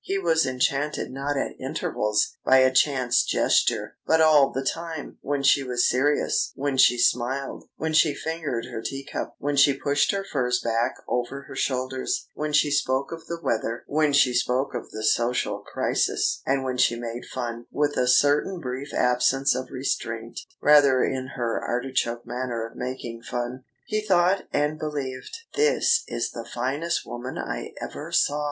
He was enchanted not at intervals, by a chance gesture, but all the time when she was serious, when she smiled, when she fingered her teacup, when she pushed her furs back over her shoulders, when she spoke of the weather, when she spoke of the social crisis, and when she made fun, with a certain brief absence of restraint, rather in her artichoke manner of making fun. He thought and believed: "This is the finest woman I ever saw!"